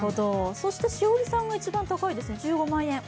そして栞里さんが一番高いですね、１５万円。